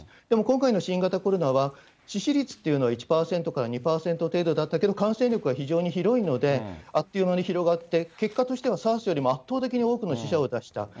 でも今回の新型コロナは、致死率っていうのは１％から２％程度だったけど、感染力が非常に広いので、あっという間に広がって、結果としては圧倒的に多くの死者を出した。